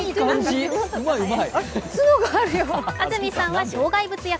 安住さんは障害物役。